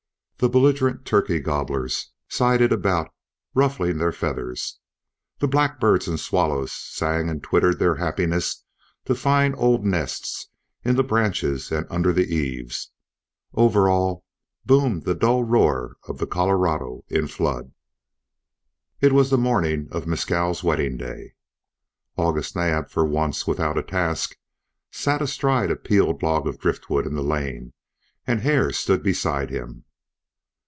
The belligerent turkey gobblers sidled about ruffling their feathers. The blackbirds and swallows sang and twittered their happiness to find old nests in the branches and under the eaves. Over all boomed the dull roar of the Colorado in flood. It was the morning of Mescal's wedding day. August Naab, for once without a task, sat astride a peeled log of driftwood in the lane, and Hare stood beside him.